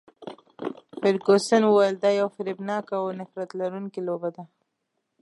فرګوسن وویل، دا یوه فریبناکه او نفرت لرونکې لوبه ده.